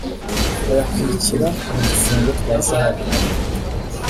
bayakwikira mu dufunga twa zahabu